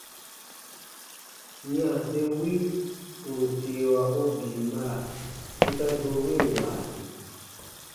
Yanse wi ù n seewa u bii mara sika doo win waati.